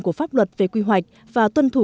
của pháp luật về quy hoạch và tuân thủ